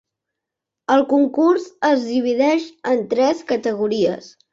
El concurs es divideix en tres categories.